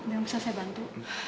biar saya bantu